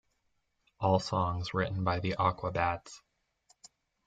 All songs written by The Aquabats.